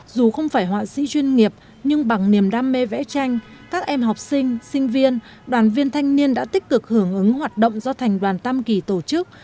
dù không phải họa sĩ chuyên nghiệp nhưng bằng niềm đam mê vẽ tranh các em học sinh sinh viên đoàn viên thanh niên đã tích cực hưởng ứng hoạt động do thành đoàn tam kỳ tổ chức